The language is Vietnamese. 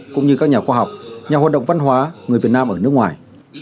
cũng như các nhà khoa học nhà hoạt động văn hóa người việt nam ở nước ngoài